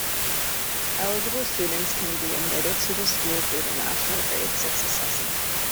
Eligible students can be admitted to the school through the National Grade Six Assessment.